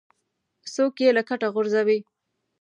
څوک یې له کټه غورځوي.